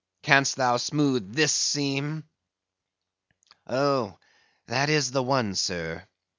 Can'st thou smoothe this seam?" "Oh! that is the one, sir!